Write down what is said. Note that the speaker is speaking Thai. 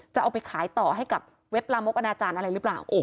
จะเอาไปขายต่อให้กับเว็บลามกอนาจารย์อะไรหรือเปล่า